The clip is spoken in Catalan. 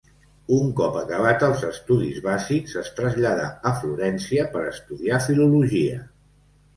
Un cop acabats els estudis bàsics, es traslladà a Florència per estudiar filologia.